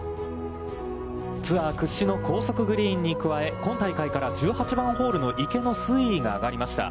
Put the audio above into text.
ツアー屈指の高速グリーンに加え、今大会から１８番ホールの池の水位が上がりました。